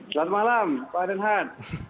selamat malam pak den han